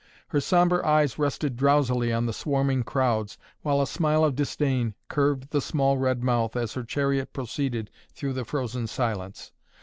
Her sombre eyes rested drowsily on the swarming crowds, while a smile of disdain curved the small red mouth, as her chariot proceeded through the frozen silence.